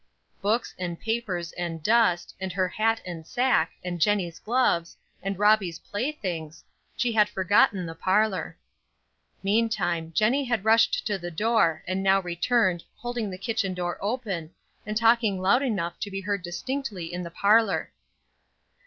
Books, and papers, and dust, and her hat and sack, and Jennie's gloves, and Robbie's play things; she had forgotten the parlor. Meantime, Jennie had rushed to the door, and now returned, holding the kitchen door open, and talking loud enough to be heard distinctly in the parlor.